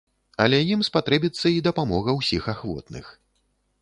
Але ім спатрэбіцца і дапамога ўсіх ахвотных.